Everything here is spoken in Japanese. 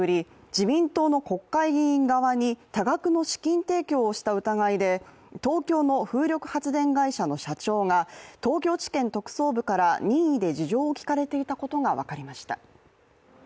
自民党の国会議員側に多額の資金提供をした疑いで東京の風力発電会社の社長が東京地検特捜部から任意で事情を聴かれていたことが分かりました